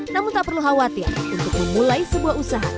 namun tak perlu khawatir untuk memulai sebuah usaha